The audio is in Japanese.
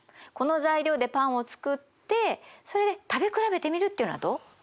この材料でパンを作ってそれで食べ比べてみるっていうのはどう？